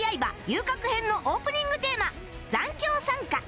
遊郭編のオープニングテーマ『残響散歌』